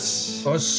よし。